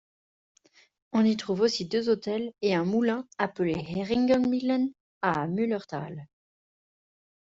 On y trouve aussi deux hôtels et un moulin appelé Heringer Millen, à Mullerthal.